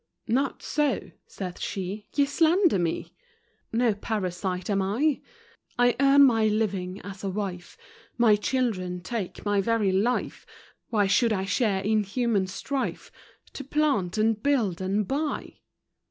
Not so, saith she, ye slander me! No parasite am I. I earn my living as a wife; My children take my very life; Why should I share in human strife, To plant and build and buy?